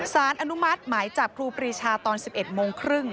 สารอนุมัติหมายจับครูปรีชาตอน๑๑โมงครึ่ง